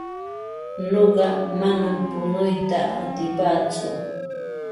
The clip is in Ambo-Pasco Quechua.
Nuqa manam punuyta atipaatsu.